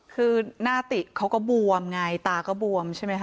คือหน้าติเขาก็บวมไงตาก็บวมใช่ไหมค